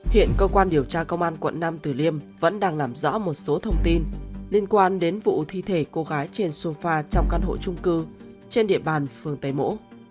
hiện cơ quan điều tra công an quận nam tử liêm vẫn đang làm rõ một số thông tin liên quan đến vụ thi thể cô gái trên sofa trong căn hộ trung cư trên địa bàn phương tây mỗ